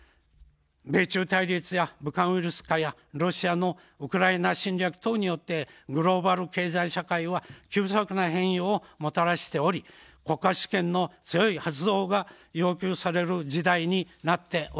米中対立や武漢ウイルス禍やロシアのウクライナ侵略等によってグローバル経済社会は急速な変容をもたらしており、国家主権の強い発動が要求される時代になっております。